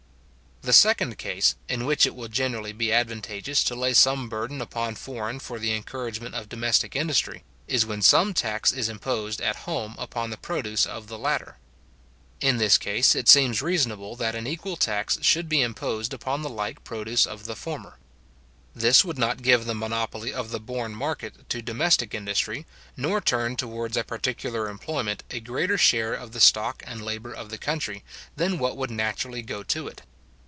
The second case, in which it will generally be advantageous to lay some burden upon foreign for the encouragement of domestic industry, is when some tax is imposed at home upon the produce of the latter. In this case, it seems reasonable that an equal tax should be imposed upon the like produce of the former. This would not give the monopoly of the borne market to domestic industry, nor turn towards a particular employment a greater share of the stock and labour of the country, than what would naturally go to it.